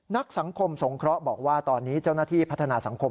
นักสังคมสงเคราะห์บอกว่าตอนนี้เจ้าหน้าที่พัฒนาสังคม